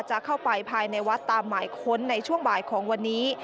จะเข้าไปภายในวัดตามหมายค้นในช่วงบ่ายของวันนี้